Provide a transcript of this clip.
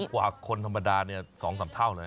กว่าคนธรรมดา๒๓เท่าเลย